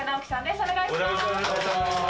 お願いします。